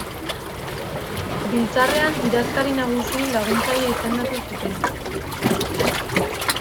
Biltzarrean idazkari nagusi laguntzaile izendatu zuten.